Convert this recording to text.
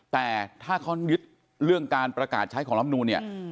แต่ถ้าเขายึดเรื่องการประกาศใช้ของลำนูนเนี่ย